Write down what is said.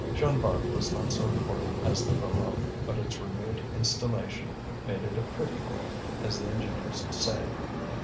Jean Bart was not so important as the Voreux, but its renewed installation made it a pretty pit, as the engineers say.